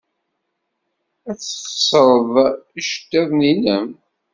Ad tesxeṣred iceḍḍiḍen-nnem.